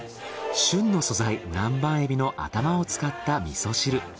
旬の素材南蛮エビの頭を使った味噌汁。